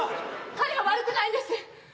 彼は悪くないんです。